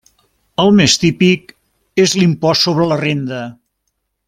El més típic és l'impost sobre la renda.